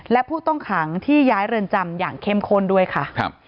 และผู้ต้องขังที่ย้ายเรือนจำอย่างเข้มข้นด้วยค่ะ